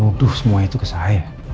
menuduh semua itu ke saya